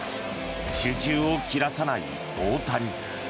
集中を切らさない大谷。